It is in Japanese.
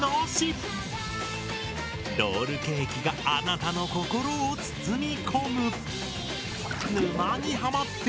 ロールケーキがあなたの心を包み込む！